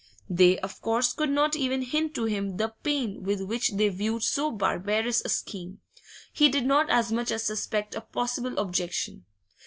They, of course, could not even hint to him the pain with which they viewed so barbarous a scheme; he did not as much as suspect a possible objection.